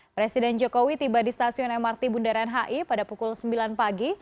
presiden jokowi tiba di stasiun mrt bundaran hi pada pukul sembilan pagi